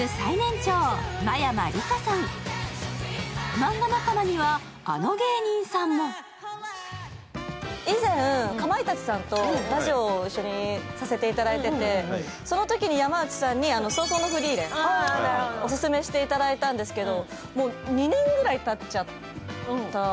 マンガ仲間には、あの芸人さんも以前、かまいたちさんとラジオを一緒にさせていただいていてそのときに山内さんに「葬送のフリーレン」をオススメしていただいたんですけど。